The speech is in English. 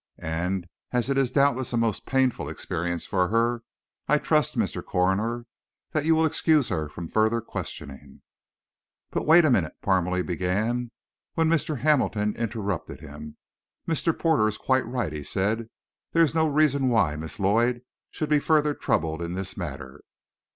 And as it is doubtless a most painful experience for her, I trust, Mr. Coroner, that you will excuse her from further questioning." "But wait a minute," Parmalee began, when Mr Hamilton interrupted him "Mr. Porter is quite right," he said; "there is no reason why Miss Lloyd should be further troubled in this matter.